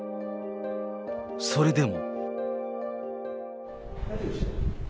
それでも。